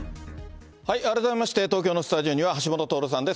改めまして、東京のスタジオには橋下徹さんです。